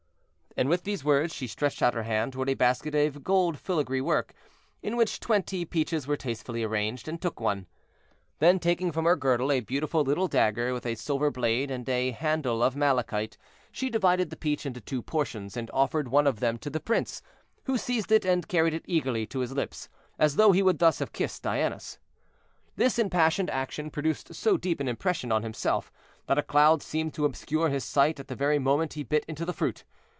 And with these words she stretched out her hand toward a basket of gold filagree work, in which twenty peaches were tastefully arranged, and took one. Then, taking from her girdle a beautiful little dagger, with a silver blade and a handle of malachite, she divided the peach into two portions, and offered one of them to the prince, who seized it and carried it eagerly to his lips, as though he would thus have kissed Diana's. This impassioned action produced so deep an impression on himself, that a cloud seemed to obscure his sight at the very moment he bit into the fruit.